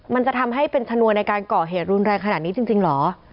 มันจะทำให้เป็นชนวนในการก่อเหตุรุนแรงขนาดนี้จริงเหรอ